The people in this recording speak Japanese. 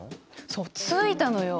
そうついたのよ。